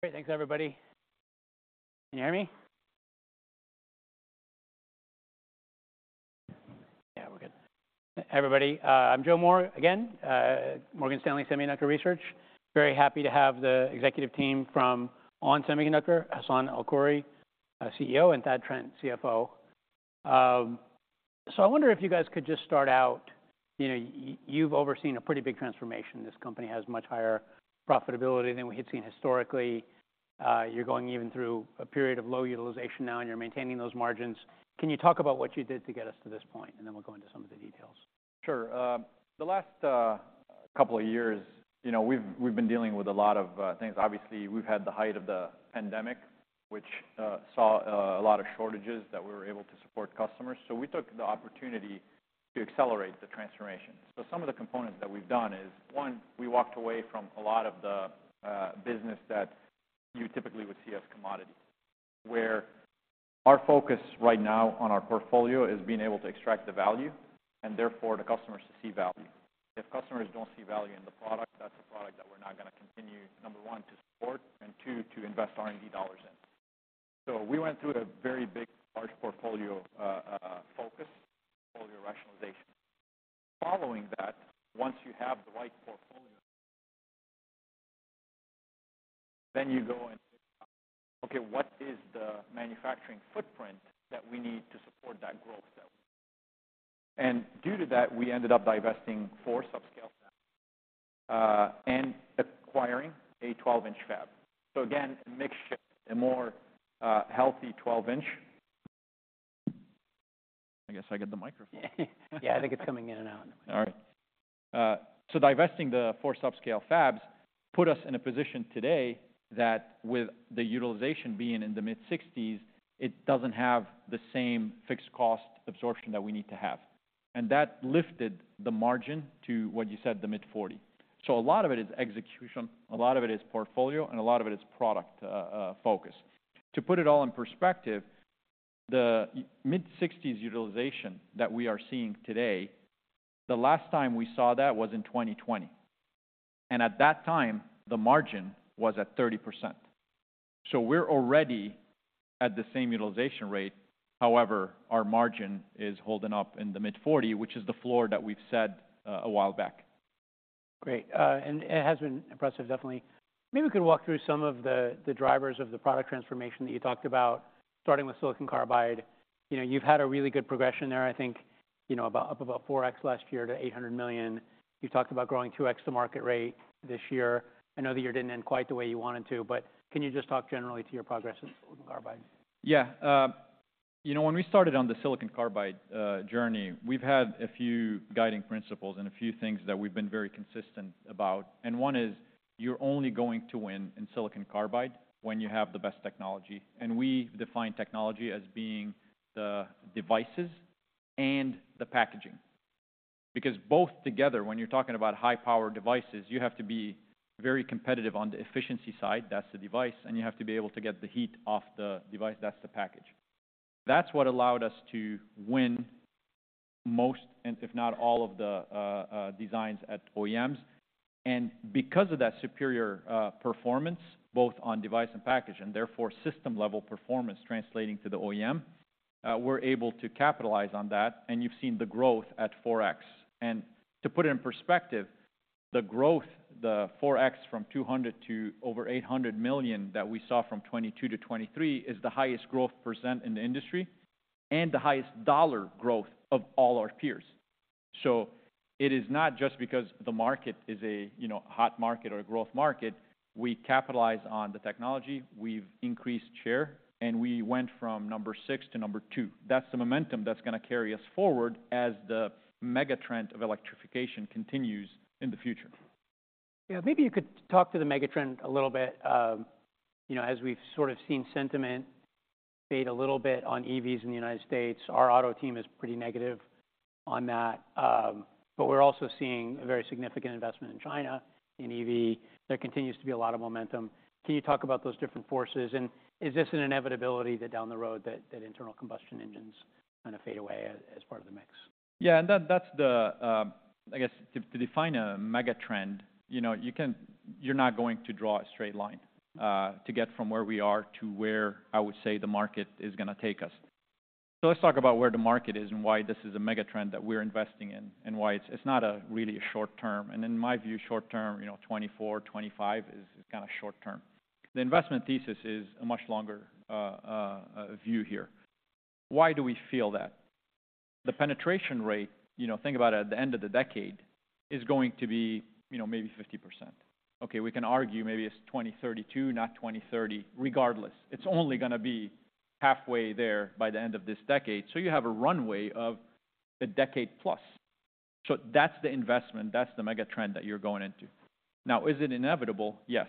Great, thanks everybody. Can you hear me? Yeah, we're good. Everybody, I'm Joe Moore, again, Morgan Stanley Semiconductor Research. Very happy to have the executive team from onsemi, Hassane El-Khoury, CEO, and Thad Trent, CFO. So I wonder if you guys could just start out. You know, you've overseen a pretty big transformation. This company has much higher profitability than we had seen historically. You're going even through a period of low utilization now, and you're maintaining those margins. Can you talk about what you did to get us to this point? And then we'll go into some of the details. Sure. The last couple of years, you know, we've been dealing with a lot of things. Obviously, we've had the height of the pandemic, which saw a lot of shortages that we were able to support customers. So we took the opportunity to accelerate the transformation. So some of the components that we've done is, one, we walked away from a lot of the business that you typically would see as commodity, where our focus right now on our portfolio is being able to extract the value and therefore the customers to see value. If customers don't see value in the product, that's a product that we're not gonna continue, number one, to support, and two, to invest R&D dollars in. So we went through a very big, large portfolio focus, portfolio rationalization. Following that, once you have the right portfolio, then you go and, "Okay, what is the manufacturing footprint that we need to support that growth though?" And due to that, we ended up divesting four subscale, and acquiring a 12-inch fab. So again, a mix shift, a more, healthy 12-inch. I guess I get the microphone. Yeah, I think it's coming in and out. All right. So divesting the four subscale fabs put us in a position today that with the utilization being in the mid-60s%, it doesn't have the same fixed cost absorption that we need to have. And that lifted the margin to, what you said, the mid-40s%. So a lot of it is execution, a lot of it is portfolio, and a lot of it is product focus. To put it all in perspective, the mid-60s% utilization that we are seeing today, the last time we saw that was in 2020, and at that time, the margin was at 30%. So we're already at the same utilization rate, however, our margin is holding up in the mid-40s%, which is the floor that we've set a while back. Great. And it has been impressive, definitely. Maybe we could walk through some of the, the drivers of the product transformation that you talked about, starting with Silicon Carbide. You know, you've had a really good progression there. I think, you know, up about 4x last year to $800 million. You talked about growing 2x to market rate this year. I know the year didn't end quite the way you wanted to, but can you just talk generally to your progress with Silicon Carbide? Yeah, you know, when we started on the Silicon Carbide journey, we've had a few guiding principles and a few things that we've been very consistent about, and one is: you're only going to win in Silicon Carbide when you have the best technology. And we define technology as being the devices and the packaging, because both together, when you're talking about high-power devices, you have to be very competitive on the efficiency side, that's the device, and you have to be able to get the heat off the device, that's the package. That's what allowed us to win most, and if not all, of the designs at OEMs. And because of that superior performance, both on device and package, and therefore system-level performance translating to the OEM, we're able to capitalize on that, and you've seen the growth at 4x. And to put it in perspective, the growth, the 4x from $200 million to over $800 million that we saw from 2022 to 2023, is the highest growth percent in the industry and the highest dollar growth of all our peers. So it is not just because the market is a, you know, hot market or a growth market. We capitalize on the technology, we've increased share, and we went from number six to number two. That's the momentum that's gonna carry us forward as megatrend of electrification continues in the future. Yeah, maybe you could talk to megatrend a little bit. You know, as we've sort of seen sentiment fade a little bit on EVs in the U.S., our Automotive team is pretty negative on that, but we're also seeing a very significant investment in China in EV. There continues to be a lot of momentum. Can you talk about those different forces, and is this an inevitability that down the road, internal combustion engines kinda fade away as part of the mix? Yeah, and that, that's the, I guess, to, to define megatrend, you know, you're not going to draw a straight line, to get from where we are to where I would say the market is gonna take us. So let's talk about where the market is and why this is megatrend that we're investing in, and why it's not really a short term. And in my view, short term, you know, 2024, 2025 is kind of a short term. The investment thesis is a much longer view here. Why do we feel that? The penetration rate, you know, think about it, at the end of the decade, is going to be, you know, maybe 50%. Okay, we can argue maybe it's 2032, not 2030. Regardless, it's only gonna be halfway there by the end of this decade. So you have a runway of a decade-plus. So that's the investment, that's megatrend that you're going into. Now, is it inevitable? Yes.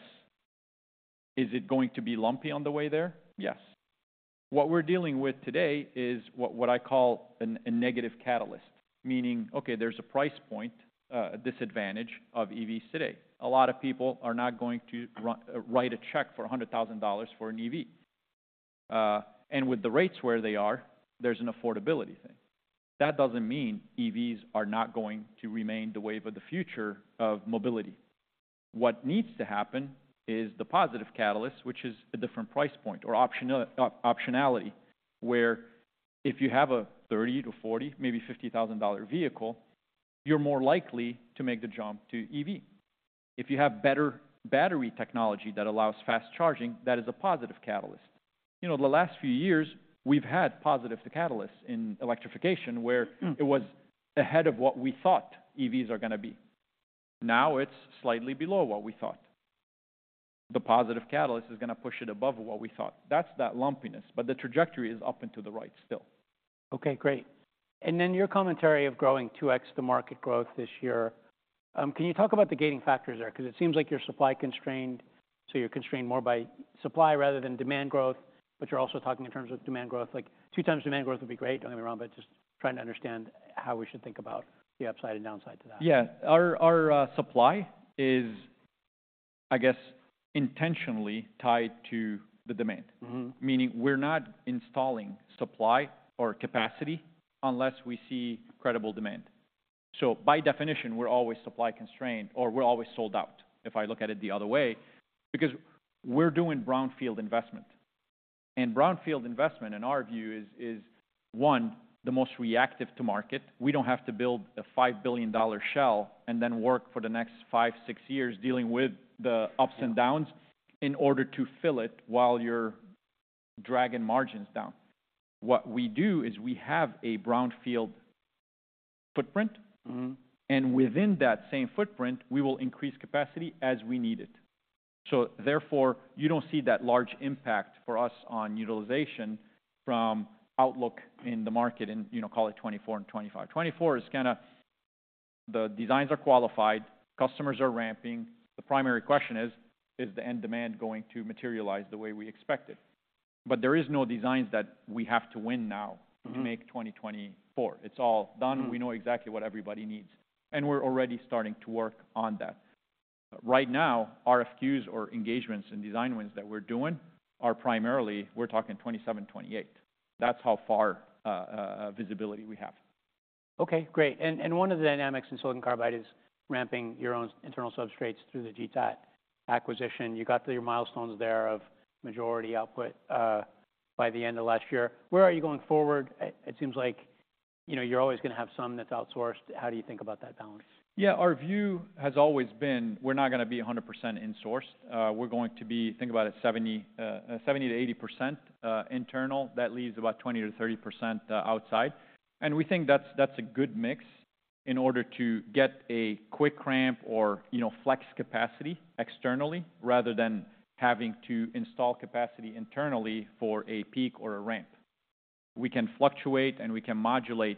Is it going to be lumpy on the way there? Yes. What we're dealing with today is what I call a negative catalyst, meaning, okay, there's a price point disadvantage of EVs today. A lot of people are not going to write a check for $100,000 for an EV, and with the rates where they are, there's an affordability thing. That doesn't mean EVs are not going to remain the wave of the future of mobility. What needs to happen is the positive catalyst, which is a different price point or optionality, where if you have a $30,000-$40,000, maybe $50,000 vehicle, you're more likely to make the jump to EV. If you have better battery technology that allows fast charging, that is a positive catalyst. You know, the last few years, we've had positive catalysts in electrification, where- Mm-hmm. It was ahead of what we thought EVs are gonna be. Now, it's slightly below what we thought. The positive catalyst is gonna push it above what we thought. That's that lumpiness, but the trajectory is up and to the right still. Okay, great. And then your commentary of growing 2x the market growth this year, can you talk about the gating factors there? 'Cause it seems like you're supply constrained, so you're constrained more by supply rather than demand growth, but you're also talking in terms of demand growth. Like, 2x demand growth would be great, don't get me wrong, but just trying to understand how we should think about the upside and downside to that. Yeah. Our supply is, I guess, intentionally tied to the demand. Mm-hmm. Meaning we're not installing supply or capacity unless we see credible demand. So by definition, we're always supply constrained, or we're always sold out, if I look at it the other way, because we're doing brownfield investment. And brownfield investment, in our view, is one, the most reactive to market. We don't have to build a $5 billion shell and then work for the next five to six years, dealing with the ups and downs in order to fill it while you're dragging margins down. What we do is we have a brownfield footprint. Mm-hmm. Within that same footprint, we will increase capacity as we need it. Therefore, you don't see that large impact for us on utilization from outlook in the market, and, you know, call it 2024 and 2025. In 2024, the designs are qualified, customers are ramping. The primary question is: Is the end demand going to materialize the way we expected? There is no designs that we have to win now- Mm-hmm... to make 2024. It's all done. Mm-hmm. We know exactly what everybody needs, and we're already starting to work on that. Right now, RFQs or engagements and design wins that we're doing are primarily, we're talking 2027, 2028. That's how far visibility we have. Okay, great. And one of the dynamics in Silicon Carbide is ramping your own internal substrates through the GTAT acquisition. You got to your milestones there of majority output by the end of last year. Where are you going forward? It seems like, you know, you're always gonna have some that's outsourced. How do you think about that balance? Yeah, our view has always been, we're not gonna be 100% insourced. We're going to be, think about it, 70%-80% internal. That leaves about 20%-30% outside, and we think that's a good mix in order to get a quick ramp or, you know, flex capacity externally, rather than having to install capacity internally for a peak or a ramp. We can fluctuate, and we can modulate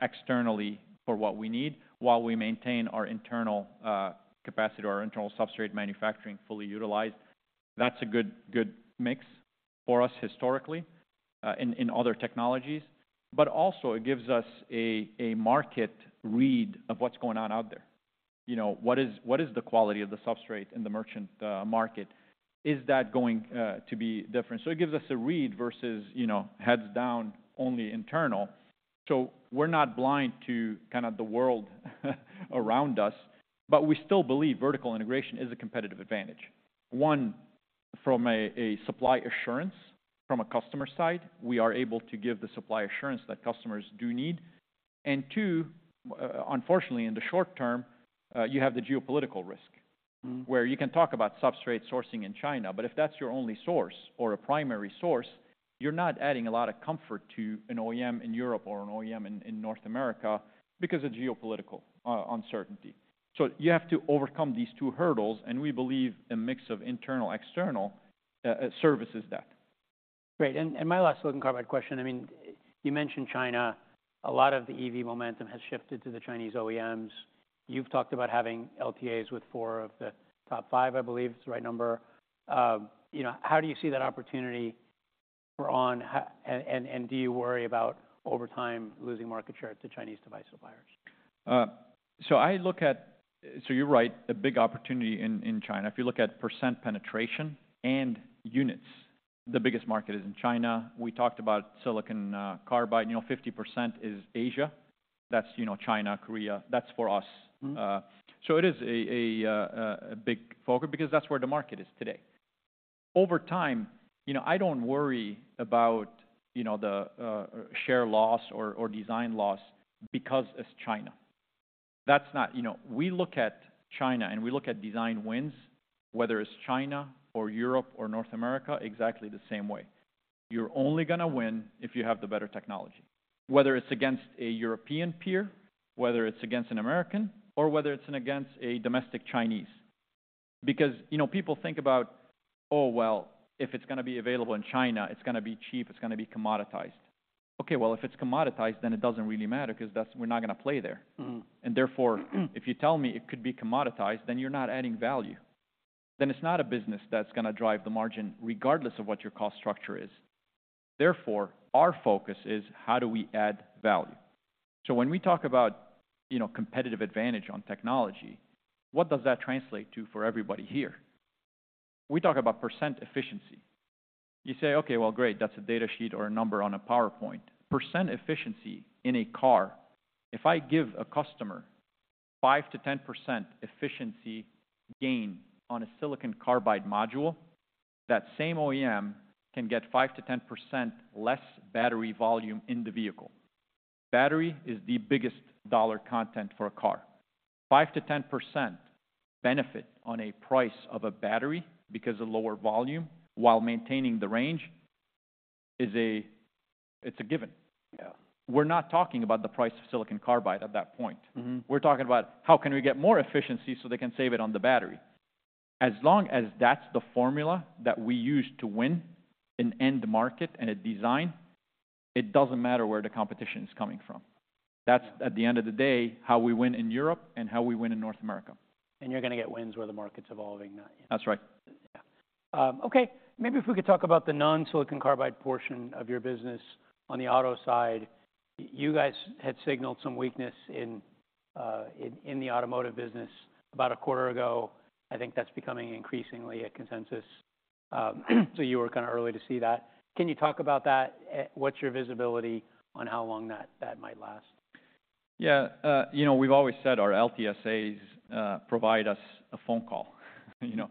externally for what we need while we maintain our internal capacity or our internal substrate manufacturing fully utilized. That's a good, good mix for us historically in other technologies, but also it gives us a market read of what's going on out there. You know, what is the quality of the substrate in the merchant market? Is that going to be different? So it gives us a read versus, you know, heads down, only internal. So we're not blind to kind of the world around us, but we still believe vertical integration is a competitive advantage. One, from a supply assurance from a customer side, we are able to give the supply assurance that customers do need. And two, unfortunately, in the short term, you have the geopolitical risk- Mm-hmm... where you can talk about substrate sourcing in China, but if that's your only source or a primary source, you're not adding a lot of comfort to an OEM in Europe or an OEM in, in North America because of geopolitical uncertainty. So you have to overcome these two hurdles, and we believe a mix of internal-external services that. Great. And my last Silicon Carbide question, I mean, you mentioned China. A lot of the EV momentum has shifted to the Chinese OEMs. You've talked about having LTAs with four of the top five, I believe, is the right number. You know, how do you see that opportunity for onsemi and do you worry about, over time, losing market share to Chinese device suppliers? So I look at—so you're right, a big opportunity in China. If you look at percent penetration and units, the biggest market is in China. We talked about Silicon Carbide, you know, 50% is Asia. That's, you know, China, Korea. That's for us. Mm-hmm. So it is a big focus because that's where the market is today. Over time, you know, I don't worry about, you know, the share loss or design loss because it's China. That's not... You know, we look at China, and we look at design wins, whether it's China or Europe or North America, exactly the same way. You're only gonna win if you have the better technology, whether it's against a European peer, whether it's against an American, or whether it's against a domestic Chinese. Because, you know, people think about, "Oh, well, if it's gonna be available in China, it's gonna be cheap, it's gonna be commoditized." Okay, well, if it's commoditized, then it doesn't really matter because that's-- we're not gonna play there. Mm-hmm. Therefore, if you tell me it could be commoditized, then you're not adding value, then it's not a business that's gonna drive the margin, regardless of what your cost structure is. Therefore, our focus is: How do we add value?... When we talk about, you know, competitive advantage on technology, what does that translate to for everybody here? We talk about percent efficiency. You say, "Okay, well, great, that's a data sheet or a number on a PowerPoint." Percent efficiency in a car, if I give a customer 5%-10% efficiency gain on a Silicon Carbide module, that same OEM can get 5%-10% less battery volume in the vehicle. Battery is the biggest dollar content for a car. 5%-10% benefit on a price of a battery because of lower volume while maintaining the range is a, it's a given. Yeah. We're not talking about the price of Silicon Carbide at that point. Mm-hmm. We're talking about how can we get more efficiency, so they can save it on the battery? As long as that's the formula that we use to win an end market and a design, it doesn't matter where the competition is coming from. That's, at the end of the day, how we win in Europe and how we win in North America. You're gonna get wins where the market's evolving, not yet. That's right. Yeah. Okay, maybe if we could talk about the non-Silicon Carbide portion of your business on the auto side. You guys had signaled some weakness in the automotive business about a quarter ago. I think that's becoming increasingly a consensus. So you were kind of early to see that. Can you talk about that? What's your visibility on how long that might last? Yeah, you know, we've always said our LTSAs provide us a phone call. You know,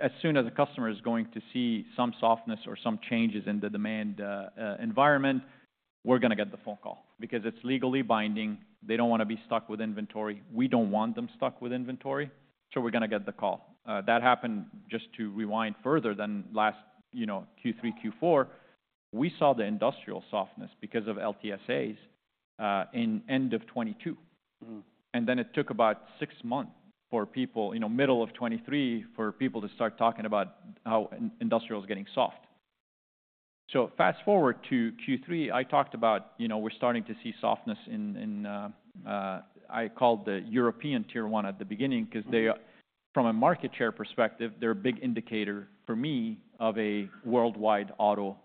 as soon as the customer is going to see some softness or some changes in the demand environment, we're gonna get the phone call. Because it's legally binding, they don't wanna be stuck with inventory. We don't want them stuck with inventory, so we're gonna get the call. That happened, just to rewind further than last, you know, Q3, Q4, we saw the industrial softness because of LTSAs in end of 2022. Mm-hmm. Then it took about six months for people, you know, middle of 2023, for people to start talking about how industrial is getting soft. Fast forward to Q3, I talked about, you know, we're starting to see softness in I called the European Tier 1 at the beginning- Mm-hmm... 'cause they, from a market share perspective, they're a big indicator, for me, of a worldwide auto,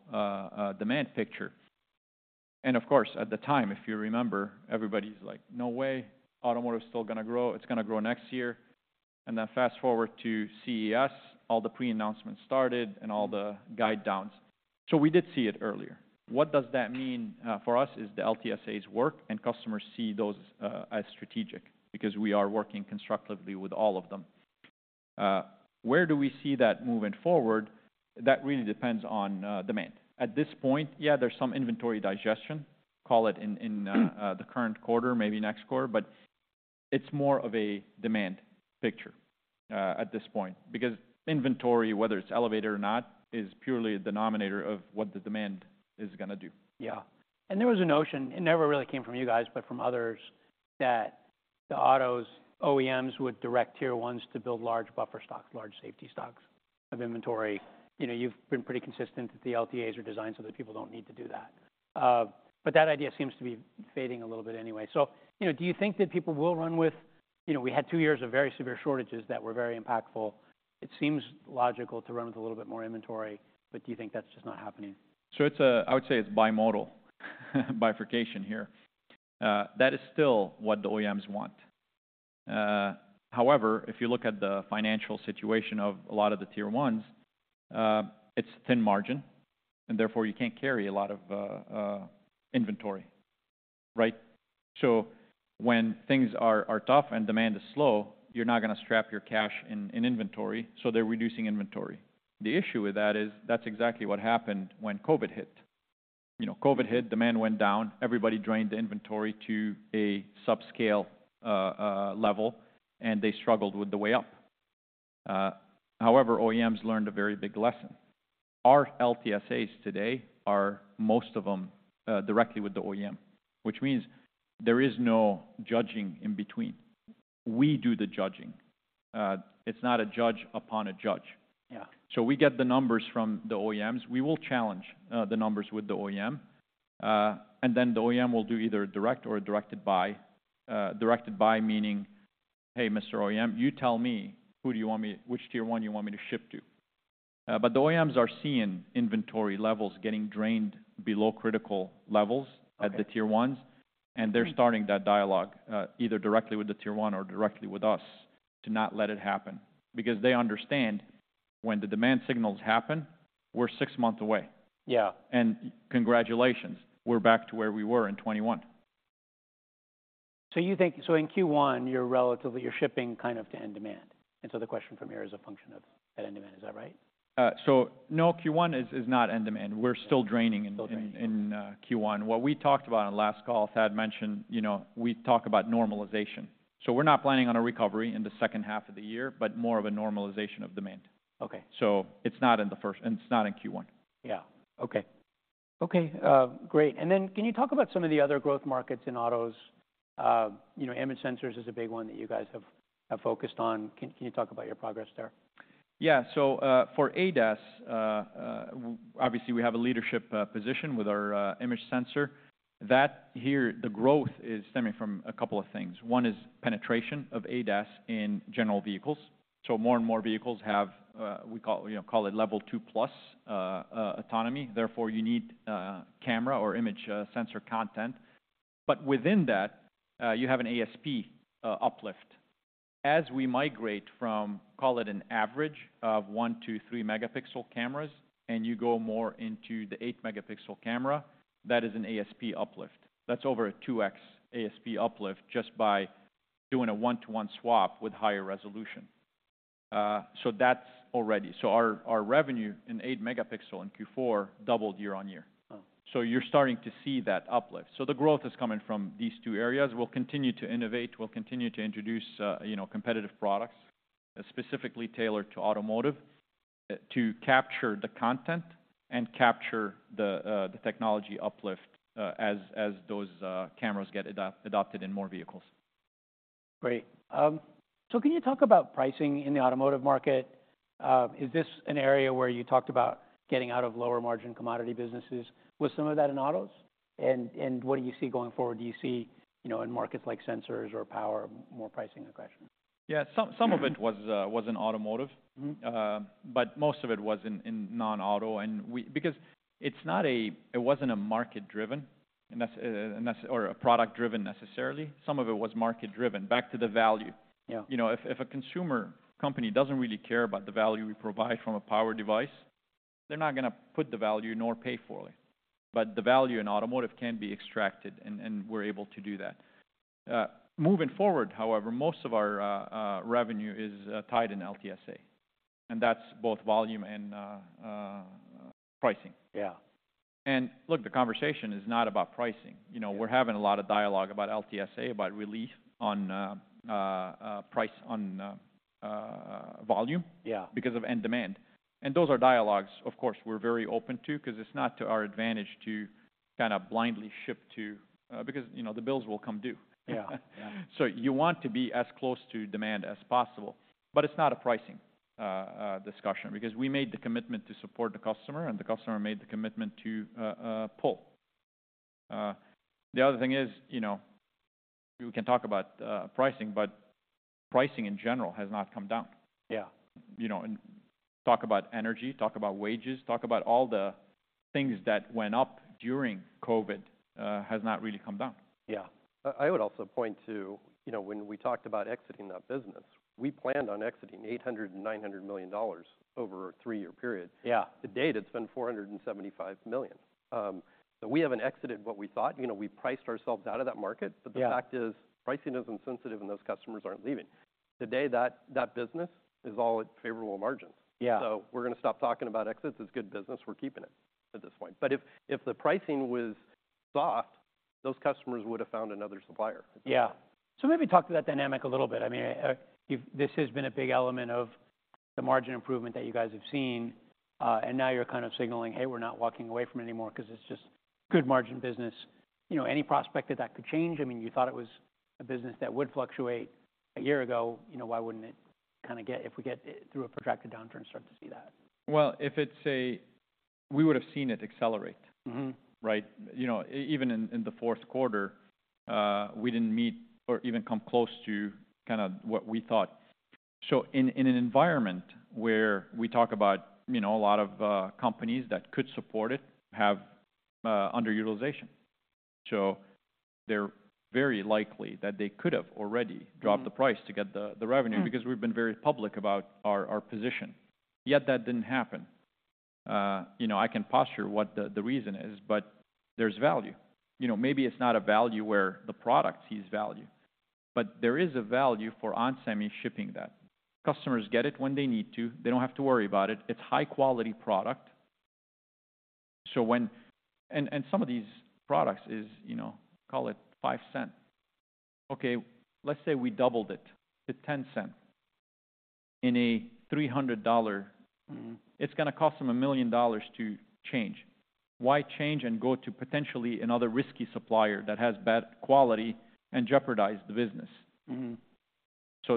demand picture. And of course, at the time, if you remember, everybody's like: "No way, automotive is still gonna grow. It's gonna grow next year." And then fast forward to CES, all the pre-announcements started and all the guide downs. So we did see it earlier. What does that mean, for us is, the LTSAs work, and customers see those, as strategic because we are working constructively with all of them. Where do we see that moving forward? That really depends on, demand. At this point, yeah, there's some inventory digestion, call it in the current quarter, maybe next quarter, but it's more of a demand picture at this point, because inventory, whether it's elevated or not, is purely a denominator of what the demand is gonna do. Yeah. And there was a notion, it never really came from you guys, but from others, that the autos, OEMs would direct Tier 1s to build large buffer stocks, large safety stocks of inventory. You know, you've been pretty consistent that the LTAs are designed so that people don't need to do that. But that idea seems to be fading a little bit anyway. So, you know, do you think that people will run with... You know, we had two years of very severe shortages that were very impactful. It seems logical to run with a little bit more inventory, but do you think that's just not happening? So it's a, I would say, bimodal bifurcation here. That is still what the OEMs want. However, if you look at the financial situation of a lot of the Tier 1s, it's thin margin, and therefore, you can't carry a lot of inventory, right? So when things are tough and demand is slow, you're not gonna trap your cash in inventory, so they're reducing inventory. The issue with that is that's exactly what happened when COVID hit. You know, COVID hit, demand went down, everybody drained the inventory to a subscale level, and they struggled with the way up. However, OEMs learned a very big lesson. Our LTSAs today are, most of them, directly with the OEM, which means there is no juggling in between. We do the juggling. It's not a juggler upon a juggler. Yeah. We get the numbers from the OEMs. We will challenge the numbers with the OEM, and then the OEM will do either a direct or a directed buy. Directed buy meaning, "Hey, Mr. OEM, you tell me, who do you want me—which Tier 1 you want me to ship to?" But the OEMs are seeing inventory levels getting drained below critical levels. Okay... at the Tier 1s, and they're starting that dialogue, either directly with the Tier 1 or directly with us, to not let it happen. Because they understand when the demand signals happen, we're six months away. Yeah. Congratulations, we're back to where we were in 2021. So you think, so in Q1, you're relatively, you're shipping kind of to end demand. And so the question from here is a function of that end demand, is that right? So no, Q1 is not end demand. We're still draining- Still draining... in Q1. What we talked about on last call, Thad mentioned, you know, we talk about normalization. So we're not planning on a recovery in the second half of the year, but more of a normalization of demand. Okay. It's not in the first, and it's not in Q1. Yeah. Okay. Okay, great. And then, can you talk about some of the other growth markets in autos? You know, image sensors is a big one that you guys have focused on. Can you talk about your progress there? Yeah. So, for ADAS, obviously, we have a leadership position with our image sensor. That here, the growth is stemming from a couple of things. One is penetration of ADAS in general vehicles. So more and more vehicles have, we call, you know, call it Level 2+, autonomy. Therefore, you need camera or image sensor content. But within that, you have an ASP uplift... as we migrate from, call it an average of one to three megapixel cameras, and you go more into the 8-megapixel camera, that is an ASP uplift. That's over a 2x ASP uplift just by doing a one-to-one swap with higher resolution. So that's already. So our revenue in 8-megapixel in Q4 doubled year-on-year. Wow. So you're starting to see that uplift. So the growth is coming from these two areas. We'll continue to innovate, we'll continue to introduce, you know, competitive products that's specifically tailored to automotive, to capture the content and capture the technology uplift, as those cameras get adopted in more vehicles. Great. So can you talk about pricing in the automotive market? Is this an area where you talked about getting out of lower margin commodity businesses? Was some of that in autos, and what do you see going forward? Do you see, you know, in markets like sensors or power, more pricing aggression? Yeah, some of it was in automotive. Mm-hmm. But most of it was in non-auto, and we, because it's not a, it wasn't a market driven or a product driven, necessarily. Some of it was market driven, back to the value. Yeah. You know, if, if a consumer company doesn't really care about the value we provide from a power device, they're not gonna put the value nor pay for it. But the value in automotive can be extracted, and we're able to do that. Moving forward, however, most of our revenue is tied in LTSA, and that's both volume and pricing. Yeah. Look, the conversation is not about pricing. Yeah. You know, we're having a lot of dialogue about LTSA, about relief on, price on, volume- Yeah... because of end demand. And those are dialogues, of course, we're very open to, 'cause it's not to our advantage to kind of blindly ship to, because, you know, the bills will come due. Yeah. Yeah. So you want to be as close to demand as possible, but it's not a pricing discussion. Because we made the commitment to support the customer, and the customer made the commitment to pull. The other thing is, you know, we can talk about pricing, but pricing in general has not come down. Yeah. You know, and talk about energy, talk about wages, talk about all the things that went up during COVID, has not really come down. Yeah. I would also point to, you know, when we talked about exiting that business, we planned on exiting $800 million-$900 million over a three-year period. Yeah. To date, it's been $475 million. So we haven't exited what we thought. You know, we priced ourselves out of that market- Yeah... but the fact is, pricing isn't sensitive and those customers aren't leaving. Today, that business is all at favorable margins. Yeah. So we're gonna stop talking about exits. It's good business, we're keeping it at this point. But if, if the pricing was soft, those customers would've found another supplier. Yeah. So maybe talk to that dynamic a little bit. I mean, you've this has been a big element of the margin improvement that you guys have seen, and now you're kind of signaling, "Hey, we're not walking away from it anymore 'cause it's just good margin business." You know, any prospect that that could change? I mean, you thought it was a business that would fluctuate a year ago. You know, why wouldn't it kind of get, if we get, through a protracted downturn, start to see that? Well, if it's, we would've seen it accelerate. Mm-hmm. Right? You know, even in the fourth quarter, we didn't meet or even come close to kind of what we thought. So in an environment where we talk about, you know, a lot of companies that could support it, have underutilization. So they're very likely that they could have already- Mm-hmm... dropped the price to get the revenue- Mm... because we've been very public about our position, yet that didn't happen. You know, I can posture what the reason is, but there's value. You know, maybe it's not a value where the product sees value, but there is a value for onsemi shipping that. Customers get it when they need to. They don't have to worry about it. It's high-quality product. So when some of these products is, you know, call it $0.05. Okay, let's say we doubled it to $0.10 in a $300- Mm. It's gonna cost them $1 million to change. Why change and go to potentially another risky supplier that has bad quality and jeopardize the business? Mm-hmm.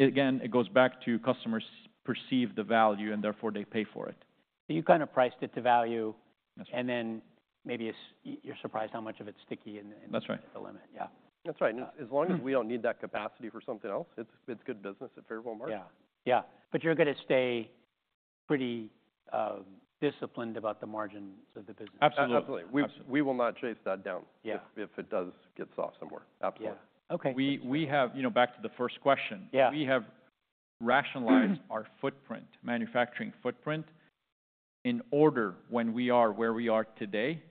Again, it goes back to customers perceive the value, and therefore, they pay for it. So you kind of priced it to value- That's right... and then maybe it's, you're surprised how much of it's sticky, and- That's right The limit. Yeah. That's right. And as long as we don't need that capacity for something else, it's good business at favorable margin. Yeah. Yeah, but you're gonna stay pretty, disciplined about the margins of the business? Absolutely. Absolutely. Absolutely. We will not chase that down- Yeah... if it does get soft somewhere. Absolutely. Yeah. Okay. We have. You know, back to the first question. Yeah We have rationalized our footprint, manufacturing footprint. In order when we are where we are today,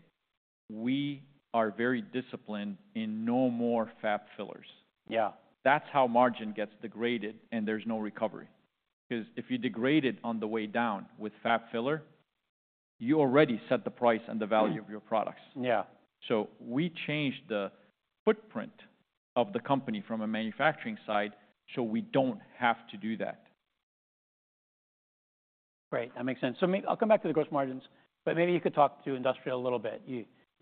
we are very disciplined in no more fab fillers. Yeah. That's how margin gets degraded, and there's no recovery. 'Cause if you degrade it on the way down with fab filler, you already set the price and the value- Mm... of your products. Yeah. We changed the footprint of the company from a manufacturing side, so we don't have to do that. Great, that makes sense. So I'll come back to the gross margins, but maybe you could talk to industrial a little bit.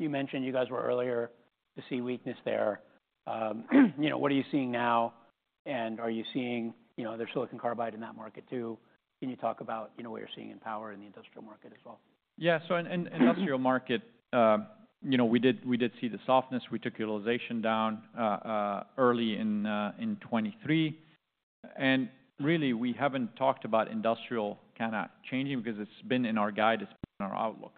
You mentioned you guys were earlier to see weakness there. You know, what are you seeing now? And are you seeing... You know, there's Silicon Carbide in that market, too. Can you talk about, you know, what you're seeing in power in the industrial market as well? Yeah. So in industrial market, you know, we did see the softness. We took utilization down early in 2023. And really, we haven't talked about industrial kind of changing because it's been in our guidance, been in our outlook.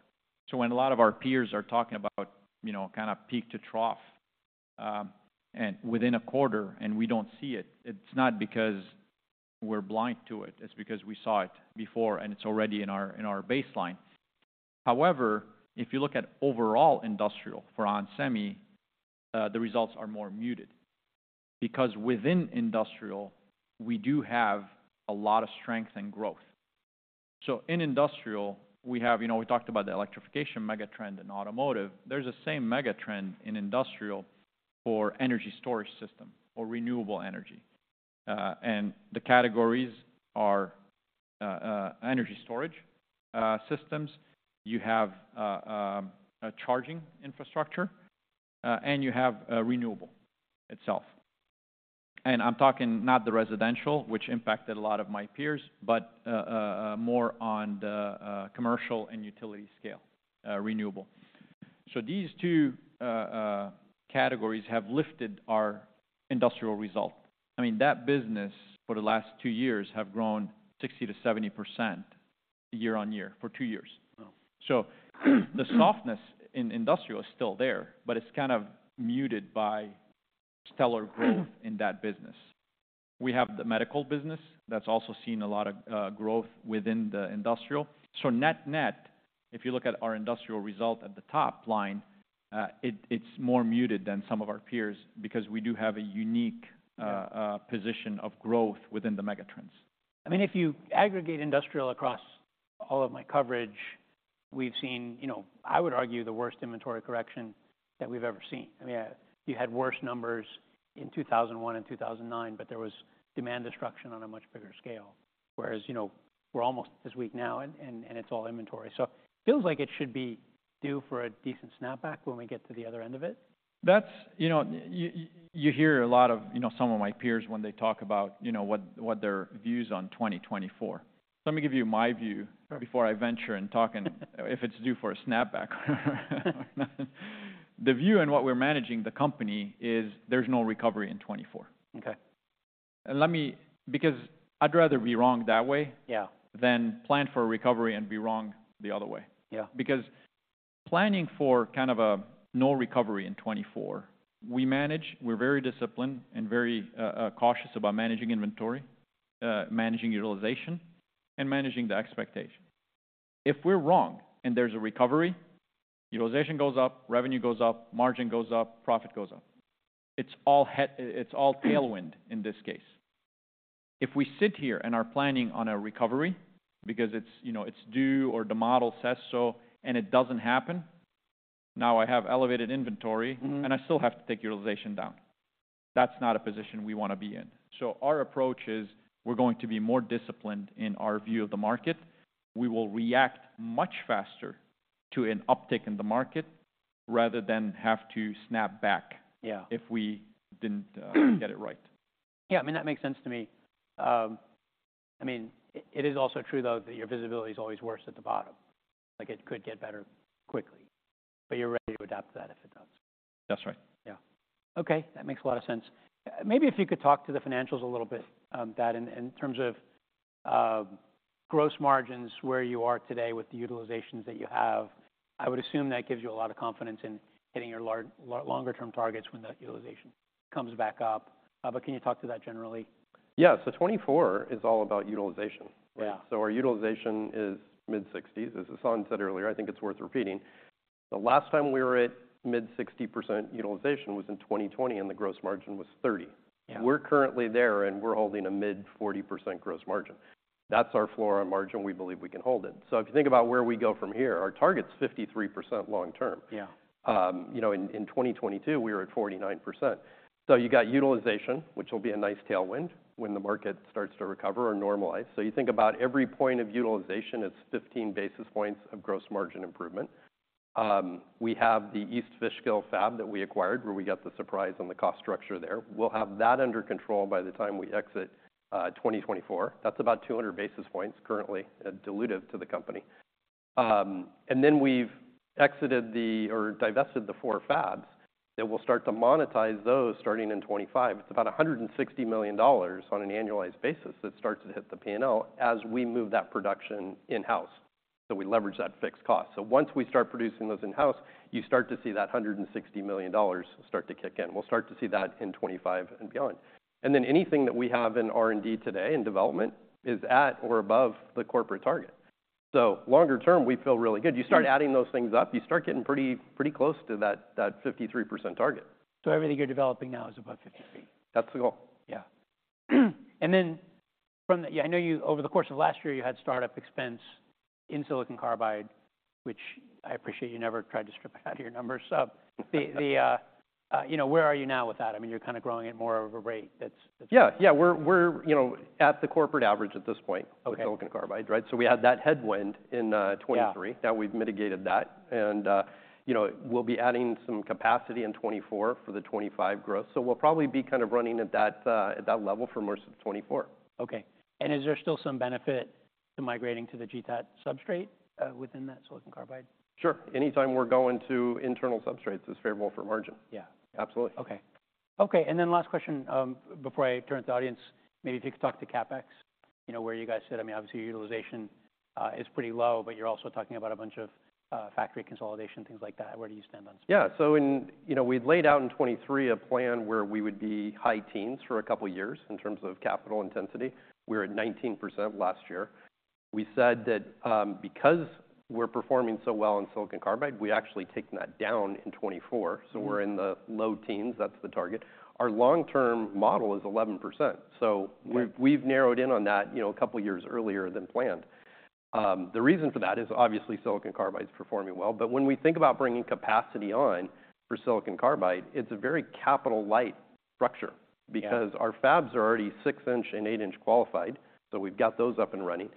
So when a lot of our peers are talking about, you know, kind of peak to trough, and within a quarter, and we don't see it, it's not because we're blind to it, it's because we saw it before and it's already in our baseline. However, if you look at overall industrial for onsemi, the results are more muted. Because within industrial, we do have a lot of strength and growth. So in industrial, we have, you know, we talked about the megatrend in automotive. There's the megatrend in industrial for energy storage system or renewable energy. And the categories are energy storage systems. You have a charging infrastructure, and you have a renewable itself. And I'm talking not the residential, which impacted a lot of my peers, but more on the commercial and utility scale renewable. So these two categories have lifted our industrial result. I mean, that business for the last two years have grown 60%-70% year-on-year for two years. Wow! So the softness in industrial is still there, but it's kind of muted by stellar growth in that business. We have the medical business that's also seen a lot of growth within the industrial. So net-net, if you look at our industrial result at the top line, it's more muted than some of our peers because we do have a unique position of growth within the megatrends. I mean, if you aggregate industrial across all of my coverage, we've seen, you know, I would argue, the worst inventory correction that we've ever seen. I mean, you had worse numbers in 2001 and 2009, but there was demand destruction on a much bigger scale. Whereas, you know, we're almost this week now, and, and it's all inventory. So it feels like it should be due for a decent snapback when we get to the other end of it. That's, you know... You hear a lot of, you know, some of my peers when they talk about, you know, what, what their views on 2024. Let me give you my view- Sure Before I venture in talking, if it's due for a snapback. The view and what we're managing the company is there's no recovery in 2024. Okay. Let me, because I'd rather be wrong that way- Yeah than plan for a recovery and be wrong the other way. Yeah. Because planning for kind of a no recovery in 2024, we manage, we're very disciplined and very cautious about managing inventory, managing utilization, and managing the expectation. If we're wrong and there's a recovery, utilization goes up, revenue goes up, margin goes up, profit goes up. It's all head—it's all tailwind in this case. If we sit here and are planning on a recovery because it's, you know, it's due or the model says so, and it doesn't happen, now I have elevated inventory- Mm-hmm... and I still have to take utilization down. That's not a position we want to be in. So our approach is we're going to be more disciplined in our view of the market. We will react much faster to an uptick in the market rather than have to snap back- Yeah If we didn't get it right. Yeah, I mean, that makes sense to me. I mean, it is also true, though, that your visibility is always worse at the bottom. Like, it could get better quickly, but you're ready to adapt to that if it does. That's right. Yeah. Okay, that makes a lot of sense. Maybe if you could talk to the financials a little bit, that in terms of gross margins, where you are today with the utilizations that you have, I would assume that gives you a lot of confidence in hitting your longer term targets when that utilization comes back up. But can you talk to that generally? Yeah. So 2024 is all about utilization. Yeah. Our utilization is mid-60s%. As Hassane said earlier, I think it's worth repeating. The last time we were at mid-60% utilization was in 2020, and the gross margin was 30%. Yeah. We're currently there, and we're holding a mid-40% gross margin. That's our floor on margin. We believe we can hold it. So if you think about where we go from here, our target's 53% long-term. Yeah. You know, in 2022, we were at 49%. So you got utilization, which will be a nice tailwind when the market starts to recover or normalize. So you think about every point of utilization, it's 15 basis points of gross margin improvement. We have the East Fishkill fab that we acquired, where we got the surprise on the cost structure there. We'll have that under control by the time we exit 2024. That's about 200 basis points currently dilutive to the company. And then we've exited the, or divested the four fabs, and we'll start to monetize those starting in 2025. It's about $160 million on an annualized basis that starts to hit the P&L as we move that production in-house. So we leverage that fixed cost. So once we start producing those in-house, you start to see that $160 million start to kick in. We'll start to see that in 2025 and beyond. And then anything that we have in R&D today, in development, is at or above the corporate target. So longer term, we feel really good. You start adding those things up, you start getting pretty, pretty close to that, that 53% target. Everything you're developing now is above 53%? That's the goal. Yeah. And then from that, yeah, I know you over the course of last year, you had start-up expense in Silicon Carbide, which I appreciate you never tried to strip it out of your numbers. So, you know, where are you now with that? I mean, you're kind of growing at more of a rate that's- Yeah, yeah, we're, you know, at the corporate average at this point- Okay -with Silicon Carbide, right? So we had that headwind in 2020- Yeah... now we've mitigated that. And, you know, we'll be adding some capacity in 2024 for the 2025 growth. So we'll probably be kind of running at that, at that level for most of 2024. Okay. Is there still some benefit to migrating to the GTAT substrate within that Silicon Carbide? Sure. Anytime we're going to internal substrates, it's favorable for margin. Yeah. Absolutely. Okay. Okay, and then last question, before I turn to the audience, maybe if you could talk to CapEx? You know, where you guys sit, I mean, obviously, utilization is pretty low, but you're also talking about a bunch of factory consolidation, things like that. Where do you stand on spend? Yeah. So in you know, we'd laid out in 2023 a plan where we would be high teens for a couple of years in terms of capital intensity. We were at 19% last year. We said that, because we're performing so well in Silicon Carbide, we actually taken that down in 2024. Mm-hmm. So we're in the low teens. That's the target. Our long-term model is 11%. Right. So we've narrowed in on that, you know, a couple of years earlier than planned. The reason for that is obviously Silicon Carbide is performing well. But when we think about bringing capacity on for Silicon Carbide, it's a very capital-light structure- Yeah Because our fabs are already 6 in and 8 in qualified, so we've got those up and running.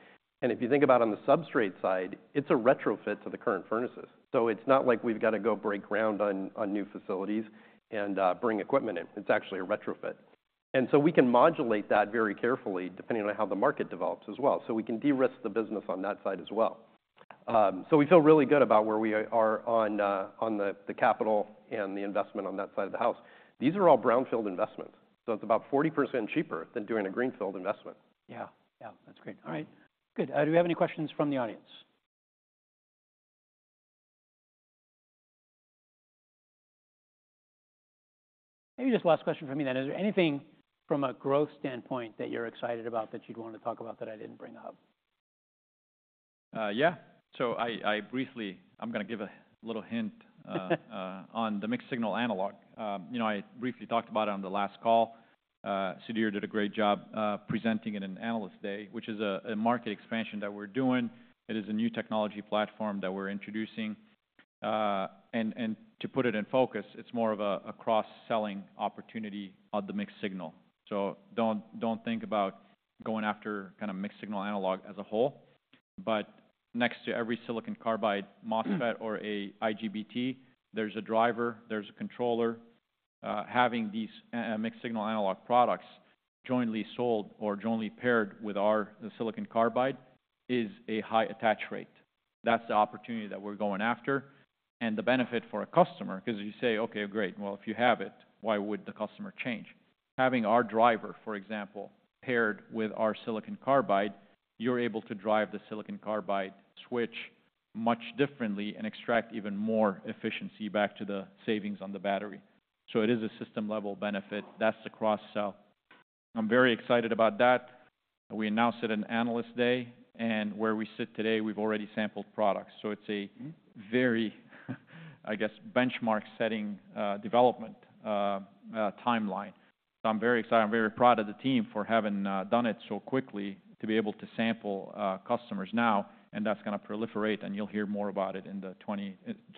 And if you think about on the substrate side, it's a retrofit to the current furnaces. So it's not like we've got to go break ground on new facilities and bring equipment in. It's actually a retrofit. And so we can modulate that very carefully, depending on how the market develops as well. So we can de-risk the business on that side as well. So we feel really good about where we are on the capital and the investment on that side of the house. These are all brownfield investments, so it's about 40% cheaper than doing a greenfield investment. Yeah. Yeah, that's great. All right, good. Do we have any questions from the audience? Maybe just last question from me then. Is there anything from a growth standpoint that you're excited about that you'd want to talk about that I didn't bring up? Yeah. So I briefly—I'm gonna give a little hint on the mixed-signal analog. You know, I briefly talked about it on the last call. Sudhir did a great job presenting it in Analyst Day, which is a market expansion that we're doing. It is a new technology platform that we're introducing. And to put it in focus, it's more of a cross-selling opportunity of the mixed signal. So don't think about going after kind of mixed-signal analog as a whole, but next to every Silicon Carbide MOSFET or an IGBT, there's a driver, there's a controller. Having these mixed-signal analog products jointly sold or jointly paired with our Silicon Carbide is a high attach rate. That's the opportunity that we're going after. The benefit for a customer, because you say, "Okay, great. Well, if you have it, why would the customer change?" Having our driver, for example, paired with our Silicon Carbide, you're able to drive the Silicon Carbide switch much differently and extract even more efficiency back to the savings on the battery. So it is a system-level benefit. That's the cross sell. I'm very excited about that. We announced it in Analyst Day, and where we sit today, we've already sampled products. So it's a very, I guess, benchmark-setting development timeline. So I'm very excited. I'm very proud of the team for having done it so quickly to be able to sample customers now, and that's gonna proliferate, and you'll hear more about it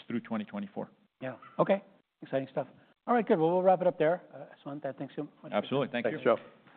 through 2024. Yeah. Okay. Exciting stuff. All right, good. Well, we'll wrap it up there. Hassane, thanks so much. Absolutely. Thank you. Thanks, Joe.